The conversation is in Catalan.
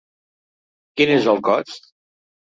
Quin és el cost?